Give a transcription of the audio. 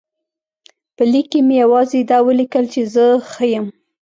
په لیک کې مې یوازې دا ولیکل چې زه ښه یم.